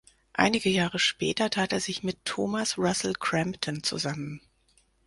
Einige Jahre später tat er sich mit Thomas Russell Crampton zusammen.